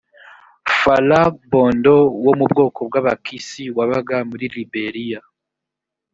falla gbondo wo mu bwoko bw’abakisi wabaga muri liberiya